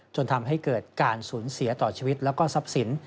จนทำให้เกิดการสูญเสียต่อชีวิตแล้วก็ทรัพย์สิน